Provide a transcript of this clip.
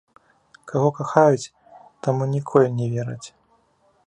Каго кахаюць, таму ніколі не вераць.